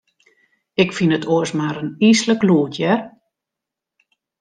Ik fyn it oars mar in yslik gelûd, hear.